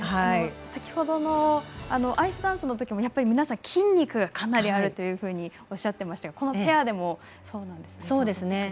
先ほどのアイスダンスのときも皆さん、筋肉がかなりあるとおっしゃっていましたがこのペアでもそうなんですね。